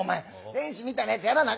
天使みたいなやつやらなあ